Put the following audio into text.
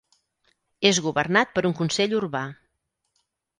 És governat per un consell urbà.